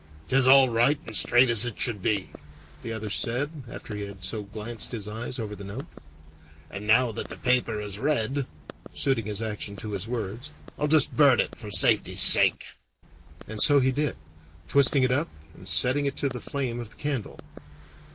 "'Tis all right and straight as it should be," the other said, after he had so glanced his eyes over the note. "And now that the paper is read" (suiting his action to his words), "I'll just burn it, for safety's sake." And so he did, twisting it up and setting it to the flame of the candle.